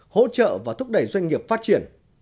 hỗ trợ và thúc đẩy doanh nghiệp phát triển